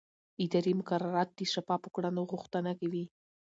اداري مقررات د شفافو کړنو غوښتنه کوي.